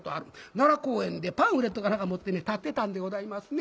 奈良公園でパンフレットか何か持ってね立ってたんでございますね。